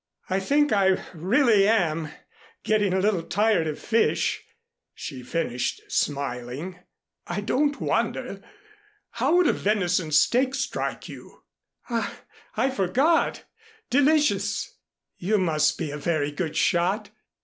I think I really am getting a little tired of fish," she finished smiling. "I don't wonder. How would a venison steak strike you?" "Ah, I forgot. Delicious! You must be a very good shot."